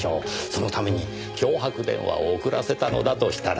そのために脅迫電話を遅らせたのだとしたら。